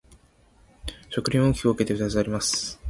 埴輪は大きく分けて二種類あります。